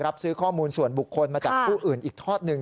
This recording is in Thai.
รับซื้อข้อมูลส่วนบุคคลมาจากผู้อื่นอีกทอดหนึ่ง